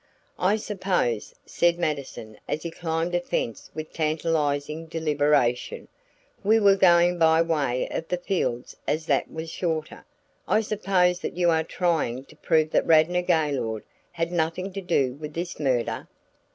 "I suppose," said Mattison as he climbed a fence with tantalizing deliberation we were going by way of the fields as that was shorter "I suppose that you are trying to prove that Radnor Gaylord had nothing to do with this murder?"